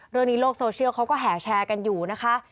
เรื่องนี้โลกโซเชียลเขาก็แห่แชร์กันอยู่นะคะ